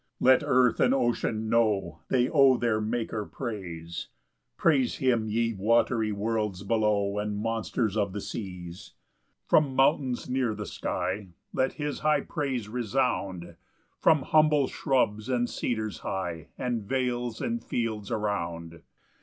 PAUSE I. 7 Let earth and ocean know They owe their Maker praise; Praise him, ye watery worlds below, And monsters of the seas. 8 From mountains near the sky Let his high praise resound, From humble shrubs and cedars high, And vales and fields around.